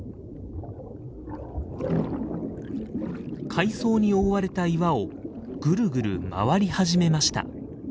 海藻に覆われた岩をぐるぐる回り始めました。